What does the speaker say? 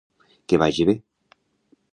Que vagi bé!